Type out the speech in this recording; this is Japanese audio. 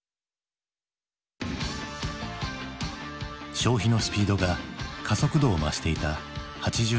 消費のスピードが加速度を増していた８０年代。